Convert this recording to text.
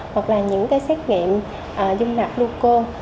hoặc là những cái xét nghiệm dung lạc lưu côn